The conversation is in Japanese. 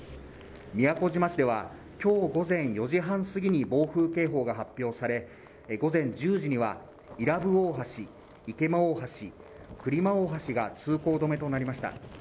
宮古島市ではきょう午前４時半過ぎに暴風警報が発表され午前１０時には伊良部大橋池間大橋来間大橋が通行止めとなりました